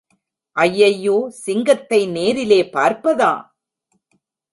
ஐயையோ, சிங்கத்தை நேரிலே பார்ப்பதா!